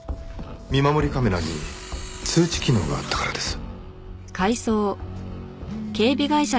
見守りカメラに通知機能があったからです。